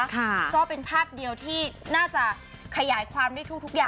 ก็เป็นภาพเดียวที่น่าจะขยายความได้ทุกอย่าง